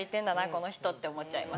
この人って思っちゃいます。